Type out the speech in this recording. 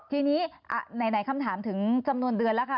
ทีนี้ไหนคำถามถึงจำนวนเดือนแล้วค่ะ